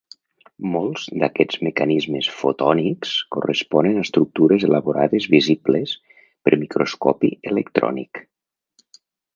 Molts d'aquests mecanismes fotònics corresponen a estructures elaborades visibles per microscopi electrònic.